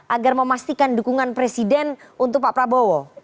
agar memastikan dukungan presiden untuk pak prabowo